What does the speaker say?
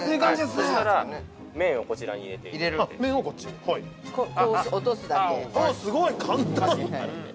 ◆そしたら、麺をこちらに入れていただいて。